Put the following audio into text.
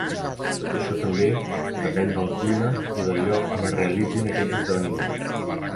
Tot això també depèn del clima i del lloc on es realitzin aquests esdeveniments.